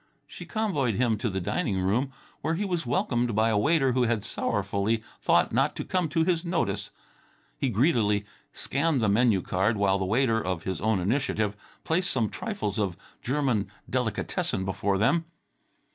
_" She convoyed him to the dining room, where he was welcomed by a waiter who had sorrowfully thought not to come to his notice. He greedily scanned the menu card, while the waiter, of his own initiative, placed some trifles of German delicatessen before them.